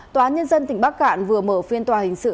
tòa án nhân dân tỉnh bắc cạn vừa mở phiên tòa hình sự